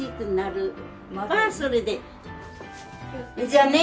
じゃあね。